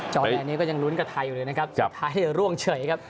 จอแดนเนี่ยก็ยังลุ้นกระทายอยู่เลยนะครับสุดท้ายจะล่วงเฉยครับ